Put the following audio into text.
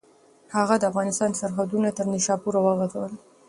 هغه د افغانستان سرحدونه تر نیشاپوره وغځول.